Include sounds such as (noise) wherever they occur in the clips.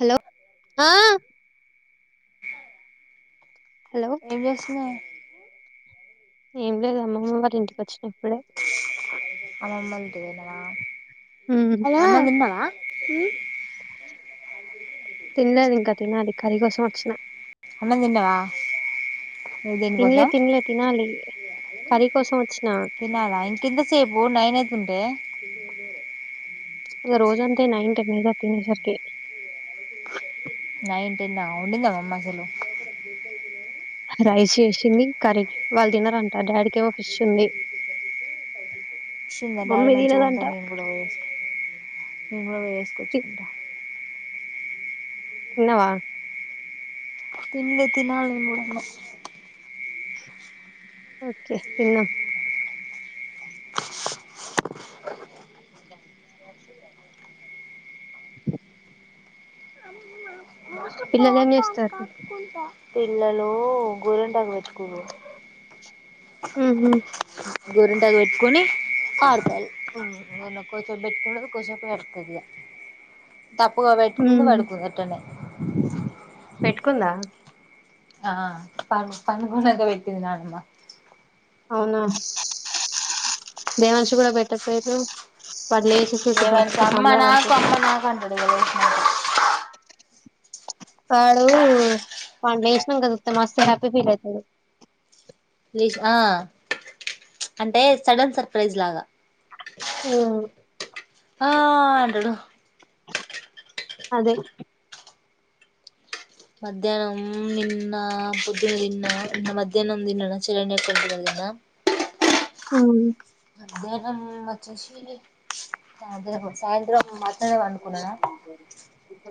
Hello ఆ hello ఏం చేస్తున్నావే ఏం లేదు అమ్మమ్మ వాళ్ళ ఇంటికి వచ్చిన ఇప్పుడే అమ్మమ్మ ఆళ్ళ ఇంటికి ఎళ్ళవ ఉమ్, అన్నం తిన్నవ మ్ తినలేదు ఇంకా తినాలి కర్రీ కోసం వచ్చిన అన్నం తిన్నవా తిన్లే తిన్లే తినాలి కర్రీ కోసం వచ్చి తినాల ఇంకెంత సేపు నైన్ అయితుంటే ఇగ రోజు అంతే నైన్ టెన్ ఏగ తినే సరికి నైన్ టెన్ ఆ వండింద మీ అమ్మ అసలు రైస్ ఎసింది కర్రీకి వాళ్ళు దినరంట డాడీకెమో ఫిష్ ఉంది డాడి మమ్మీ మంచిగ ఉంటే తినదంట నేను కూడా ఎస్కుంట వేస్ తి- కొచ్చుకుంటా తిన్నవా తిండి తినాలి మూఢమాస్ ఓకే తిన్నాం (inaudible) పిల్లలు ఏం చేస్తారు పిల్లలు గోరెంటకు పెట్టుకుండ్రు ఉహుమ్ గోరుంటకు పెట్టుకొని ఆడుతాళ్లు పెట్టుకున్నదు కొంచ వెడుకద తప్పు పెట్టుకుంద ఉమ్. పడుకుందిట్టనే పెట్టుకుందా ఆ పడ్ పడుకున్నాక పెట్టింది నానుమ్మా అవునా దేవనిషి కూడా పెట్టపోయరు పలే దేవాన్ష్ బక్ అమ్మ సంబ్రరం నాకు అనిపిస్తుంది అమ్మ నాకు అంటాడు ఇగ లేసినంక వాడు పం వసినాం కదిస్తతే మ హ్యాపీ ఫీల్ అవుతాడు లీజ్ అంటే సడన్ సర్ప్రైజ్ లాగా ఆ ఆ అంటడు అదే మధ్యాహ్నం నిన్న పొద్దునే ని మధ్యానం తిన్నాడు చల అటుకుంట అ ఆ మధ్యాహ్నం వచ్చేసి సా సాయంత్రం మాత్రమ అనుకున్నాను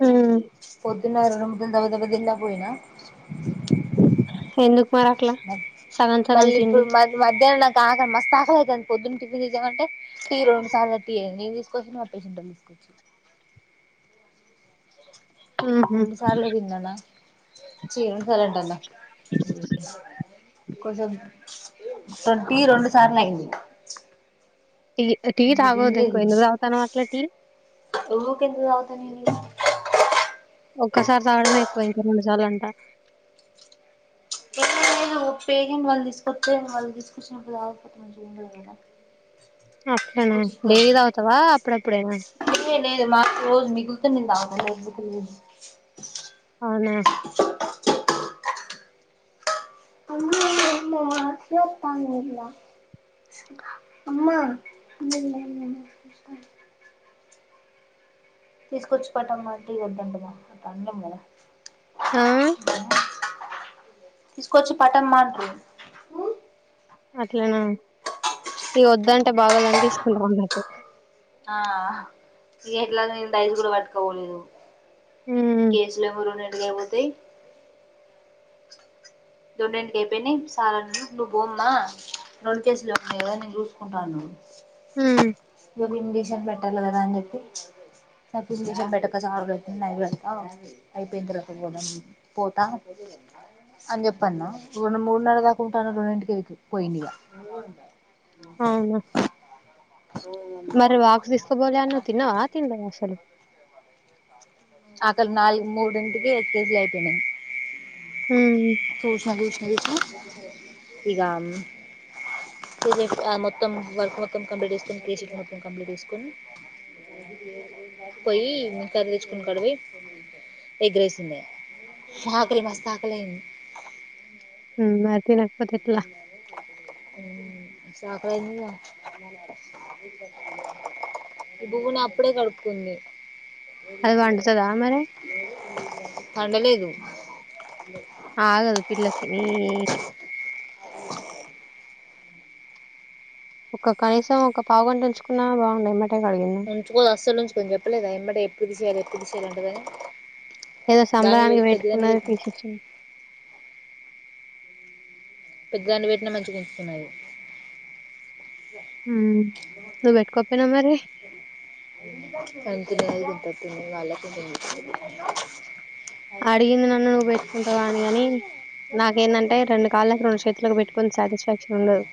ఉమ్ పొద్దున్నరన ము దబ దబ దలా పోయినా ఎందుకు మరట్ల మళ్ళీ ఇప్పుడు మ మధ్యాహ్న నాకు ఆకలి మస్త ఆకలి అవుతుంది పొద్దున్న టిఫిన్ తీచ్చామంటే తీ రెండు సార్లు తీయ నను తీసుకొచ్చి నా పేషెంట్లు తీసుకోవచ్చు ఉహు రెండు సార్లు విన్నానా చీరం స్లంటన్న కొస ర త రౌడు సార్ లేైంది టీ టీ ఇంగ తాగొద్దు ఎక్కువ తిన్లేదిక ఎందుకు తాగుతానవ్ అట్లా టీ ఊకె ఎందుకు చదువుతానిగా ఒక్కసారి చదవడమే ఎక్కువ ఇంకా రెండుసార్లు అంట పేగని వాళ్ళు తీసుకొచ్చ వాళ్ళు తీసుకొచ్చినప్పుడు ఆకపో మ చూ ఉండదు కదా అప్పుడేనా తీసుకొచ్చి డెలీదవుతావా అప్పుడ అప్పుడేనా మా రోజ మీకుతు నింద అవునా (unintelligible) అమ్మా అ తీసుకొచ్చి పెట్టం మ వద్దంటమా అ అండ మద ఆ తీసుకొచ్చి పటం మ అట్లనా ఇ వద్దంటే బాగదని తీసుకుంటాం అన్నట్టు ఆ క్రెట్లాగా న ఐదు కూడా పట్టుకోవలేదు ఉమ్ కేజల మరు ఎ గబధ దొండెంటికి అయిపోయినా సాలా నువ్వు బోమ్మా రెండు కేసులున్నావు కదా నేను చూసుకుంటాను నువ్వు హ ఇ చేషన్ పెట్టలే కద అతే సం బటక సారుడుతుందియి వెడతా అయిపోయిందిక పోతా అని చెప్పన్న రెడు మూడున్నెల దాకుంటాను రెండింటికి వెకి పోయినగా అవునా మరి వాక్సిసుకు పోలె అన్నావ్ తిన్నావా తిన్లేదా అసలు అక్కడ నాలుగు మూడింటికి ఎ కేజీలు అయిపోయినాయి ఉమ్ సూచన దూచన వితే ఇగ పెజెపి ఆ మొత్తం వర్క్ మొత్తం కంప్లీట్ చేసుకుని పీసీటు మొత్తం కంప్లీట్ చేసుకుని పొయ్యి కర తెచ్చుకుని కడువి ఆకలి మస్త ఆకలి అయింది ఉమ్ మరి తినకపోతే ఎట్లా మ్మ్ సాకలయింది ఈ భువన అప్పుడే కడుకుంది అది పండుతదా మరి పండలేదు ఆగదు పిల్లకి నీ వు ఒక కనీసం ఒక పావుగంట ఉంచుకున్నా బాగుండేది ఉంచుకోదు అస్సలు ఉంచుకోదు చెప్పలేదా ఏమ్మటే ఎప్పుడు తీసేయాలి ఎప్పుడు తీసేయాలి అంటదని ఏదో దాన్ని సంబరానికి పెద్దదాన్ని వేట్టుకున్నది తీసేసింది పెద్దదాన్నికీ పెట్టిన మంచి ఉంచుకునేది ఉమ్ నువ్వు పెట్టుకోపోయినవా మరి తంతి దే తినేయవాలకే తెలుస్తాది అడిగింది నన్ను నువ్వు పెట్టుకుంటావా అని గాని నాకేందంటే రెండు కళ్కు రెండు చేతులకు పెట్టుకొని సాటిస్ఫాక్షన్ ఉండదు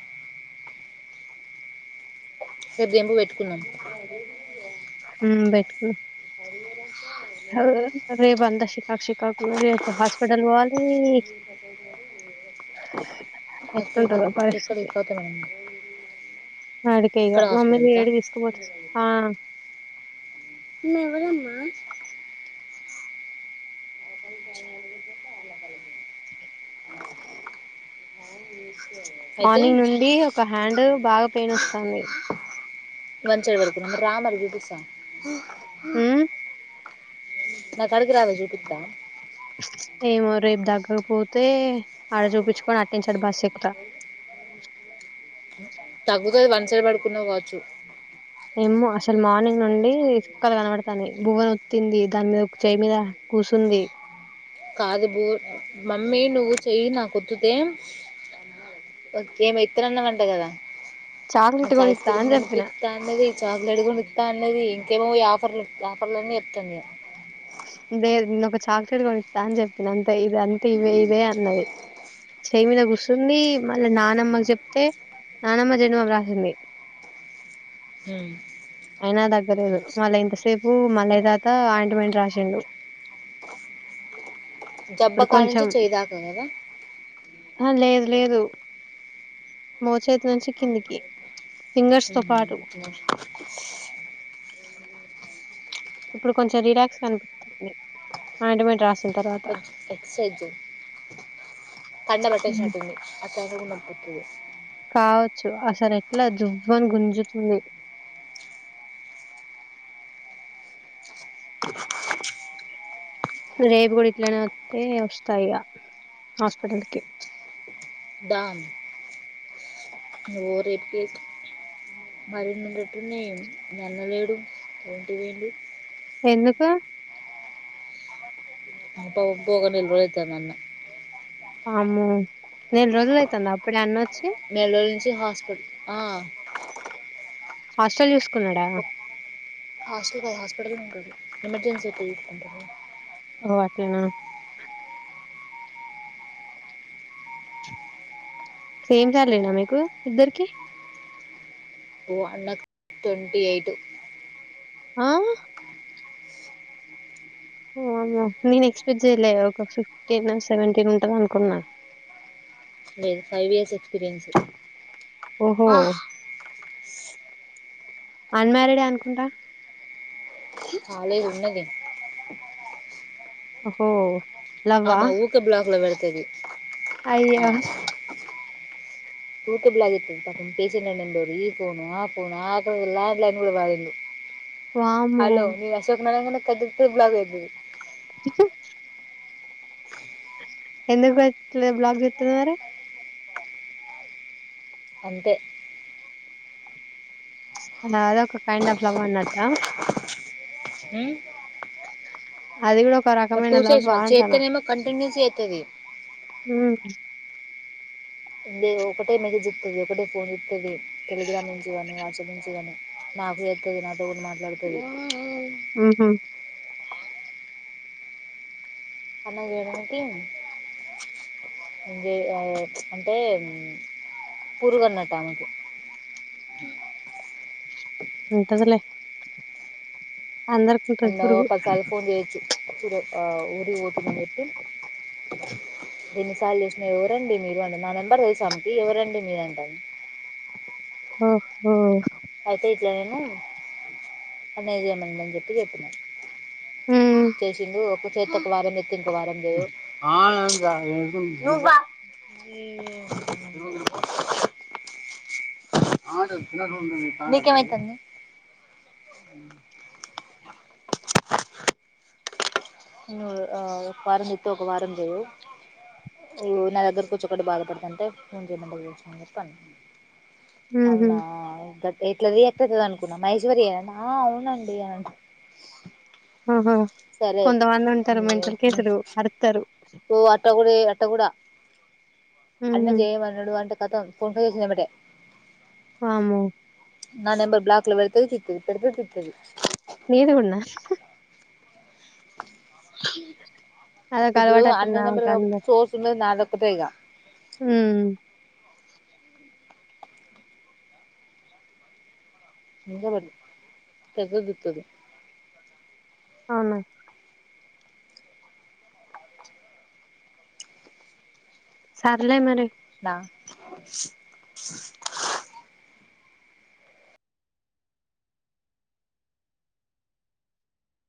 సర్ జంబూ పెట్టుకున్నా హ్మ్ పెట్టుకున్న అహ్ రేపు అంతా షికాక్ షికాక్ ఉంది రేప్ హాస్పిటల్ వోవాలి అక్క (unintelligible) ఎక్కడ అడికే ఇగ ఇక్కడ మమ్మీని హాస్పిటల్కా ఏడి తీస్కబో తీస్ ఆ ఈమె ఏవళ్ అమ్మ (unintelligible) అయితే మార్నింగ్ నుండి ఒక హ్యాండ్ బాగా పెయిన్ ఓస్తాంది వంచే వరకు రా మరి చూపిస్తా హ్మ్. నాకడికి రావే చూపిత్తా ఏమో రేపు తగ్గకపోతే ఆడ చూపించుకొని అటునుంచి అటే బస్ ఎక్కుత తగ్గుతది వన్ సైడ్ పడుకున్నవ్ కావచ్చు ఇ చుక్కాలు కనబడతాన్నాయి బువ్వన్ ఒత్తింది దాని మీద ఒక చేయ మీద కూసుంది కాదు బూ మమ్మీ నువ్వు చెయ్యి నాకొత్తుతే ఒకే ఏమో ఇత్తనన్నవ్ అంట కదా చాక్లెట్ నాక్ ఐస్ కొనిత్తా క్రీమ్ అని చెప్పిన కొనిపిత్త అన్నది చాక్లేెట్ కొని పిత్త అన్నది ఇంకేమో ఆఫర్లు ఆఫర్లన్ని చెప్తుందిగా లేద్ నేనొక చాక్లెట్ కొనిత్తా అని చెప్పిన అం తే ఇదంతే ఇవే ఇదే అన్నది చేయిమీద కుసుంది మళ్ళ నానమ్మకు చెప్తే నానమ్మ జెండుబాం రాసింది అయినా దగ్గలేదు మళ్ళా ఇంతసేపు మల్లయ్య తాత అయింటిమెంట్ రాసిండు (inaudible) ఇప్పుడు కొంచెం జబ్బకాణించి చేయిదాక కదా లేదు లేదు మోచేతి నుంచి కిందికి ఫింగర్స్ తో పాటు (inaudible) ఇప్పుడు కొంచెం రిలాక్స్ కనిపిస్ తుంది అయింట్మెంట్ రాసి కొంచె ఎక్సర్సైజ్ చేయి కండ హ్మ్. పెట్టేసినట్టుంది చదవు (unintelligible) నన్పిస్తది కావోచ్చు అసలు ఎట్లా జువ్వని గుంజుతుంది రేపు గూడా ఇట్లనే వత్తే వస్తయిగ హాస్పిటల్కి డాన్ నువ్వు రేపుకి మరిన్ని ఉన్నట్టున్నయ్ మీయన్నలేేడు ఒంటిబోయిండు ఎందుకు ఆ పక్కకు నిల్బడొచ్చాడు అన్న ఆమ్మో నెల రోజులైతుందా అప్పుడే అన్న వ నెలరోజుల నుంచి హాస్పిటల్ ఆ హాస్టల్ చూసుకున్నాడా హాస్టల్ కాదు హాస్పిటల్ లో ఉంటడు ఎమర్జెన్సీ కుంటడు ఓ అట్లనా సేమ్ సాలరీనా మీకు ఇద్దరికి ఓ అన్నకు ట్వంటీ ఎయిట్ ఆ వామ్మో నేను ఎక్స్పెక్ట్ జేయలే ఒక ఫిఫ్టీన్ సెవెంటీన్ ఉంటది అనుకున్నా లేదు ఫైవ్ ఇయర్స్ ఎక్స్పీీరియన్స్ ఓహో అన్మారీడే అనుకుంటా కాలేదు ఉన్నది ఓహో ఆమ లవ్వా ఊక బ్లాక్ లో పెడతది ఆ అయ్యో ఊకే బ్లాక్ జేత్తది పాపం పేషెంట్ నెంబరు ఈ ఫోను ఆ ఫోను ఆఖరికి ల్యాండ్లైన్లు కూడ వాడిండు వామ్మో హలో నేను అశోక్ అనంగనే కట్ జేస్తది బ్లాక్ పెడతది చిచ్చా ఎందుకు బ్లాక్ జెత్తది మరి అంతే అలా అది ఒక కైండ్ ఆఫ్ లవ్ అన్నట్టా ఉమ్ అది గూడా ఒక మరి రకమైన టూ సైడ్స్ లవ్వా మళ్ళీ అంటన్నా చేత్తనేమో కంటిన్యూస్ చేత్తది ఉమ్ ఇందే ఒకటే మెసేజ్ జెత్తది ఒకటే ఫోన్ జెత్తది టెలిగ్రామ్ నుంచి కానీ వాట్సప్ మంచిగనే నాకు జేత్తది నాతో కూడా మాట్లాడుతది ఉమ్ హూ అన్నక్ జేయడానికి ఇంజే ఆ అంటే పురుగు అన్నట్టు ఆమెకు (inaudible) ఉంటదిలే అందరికి ఉంటది పురుగు ఈ రోజ్ ఆ ఊరి బోతున్నా అని జెప్పి ఎన్నిసార్లు జేసినా ఎవరండి మీరు అంది నా నెంబర్ దెల్సు ఆమెకి ఎవరండి మీరు అంటాంది (inaudible) ఓహో అయితే ఇట్లా నేను అమెజాన్ ఉంది అని చెప్పి జెప్పిన హ్మ్ చేసిండు చెస్తే ఒక వారం ఎత్తి ఒక వారం జేయవ్ ఈయ్యో నీకేమైతుంది (inaudible) నువ్వు ఆ ఒక వారం ఎత్తి ఒక వారం జేయవ్ వు నా దగ్గర కొచ్చి ఒకటే బాధపడుతుంటే ఫోన్ చేద్దాం అని జెప్పి అన్నా ఊహూ అవునా ఎట్లా రియాక్ట్ అయితాదో అనుకున్నాం మహేశ్వరి ఆ అవునండి అంట ఆహ కొంత మంది ఉంటారు మెంటల్ కేసులు అరుత్తారు ఓ అట్ట కూడా అట్ట కూడా అన్న చేయమన్నాడు అంటే కథం ఫోనుపే చేసింది వెంబటే వామ్మో నా ఎంబర్ బ్లాక్ లో పెడ్తది తీత్తది పెడతది తిత్తది నీది గూన్నా హ్మ్ (inaudible) అదొక ఇప్పుడు అలవాటు అన్న అట్టుందా నెంబర్ ఆమెకు కాకపోతే అందరు చోస్తున్నది నాదొక్కతే గా హ్మ్ ఇకా పడి పెద్దదితుదు అవునా అక్క సర్లే మరి నా (inaudible)